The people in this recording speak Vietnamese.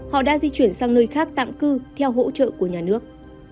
họ đã di chuyển sang nơi khác tạm cư theo hỗ trợ của nhà nước